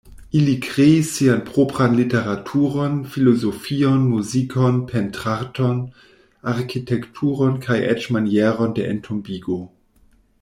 Ili kreis sian propran literaturon, filozofion, muzikon, pentrarton, arkitekturon kaj eĉ manieron de entombigo.